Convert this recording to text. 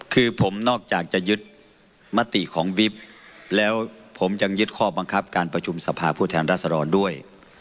คือผมนอกจากจะยึดมติของบิ๊บแล้วผมยังยึดข้อบังคับการประชุมสภาพผู้แทนรัศดรด้วย